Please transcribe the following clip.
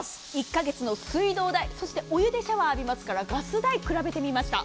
１カ月の水道代、そしてお湯でシャワー浴びますからガス代を比べてみました。